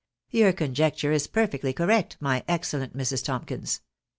Your conjecture is perfectly correct, my excellent Mrs. Tomkins.